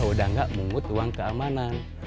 udah nggak mungut uang keamanan